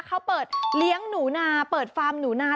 เขาเปิดเลี้ยงหนูนาเปิดฟาร์มหนูนา